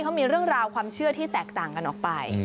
เขามีเรื่องราวความเชื่อที่แตกต่างกันออกไป